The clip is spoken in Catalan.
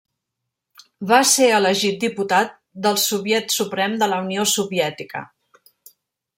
Va ser elegit diputat del Soviet Suprem de la Unió Soviètica.